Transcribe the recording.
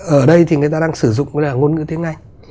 ở đây thì người ta đang sử dụng ngôn ngữ tiếng anh